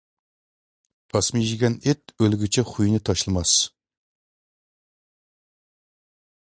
تاسما يېگەن ئىت ئۆلگۈچە خۇيىنى تاشلىماس.